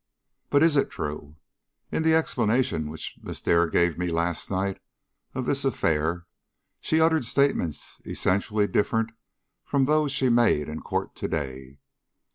"But is it true? In the explanation which Miss Dare gave me last night of this affair, she uttered statements essentially different from those she made in court to day.